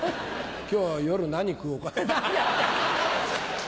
今日夜何食おうかな。